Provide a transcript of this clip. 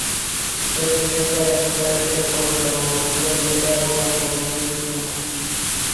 Representa a la ciudad de Clorinda, en la Provincia de Formosa.